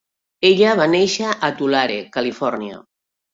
Ella va néixer a Tulare, Califòrnia.